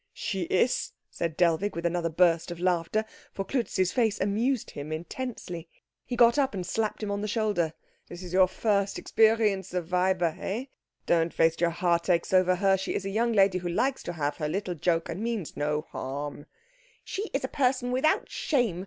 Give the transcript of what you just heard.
"She is," said Dellwig with another burst of laughter, for Klutz's face amused him intensely. He got up and slapped him on the shoulder. "This is your first experience of Weiber, eh? Don't waste your heartaches over her. She is a young lady who likes to have her little joke and means no harm " "She is a person without shame!"